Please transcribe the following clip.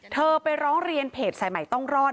ไปร้องเรียนเพจสายใหม่ต้องรอด